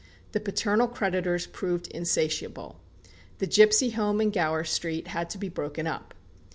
The paternal creditors proved insatiable. The gipsy home in Gower Street had to be broken up.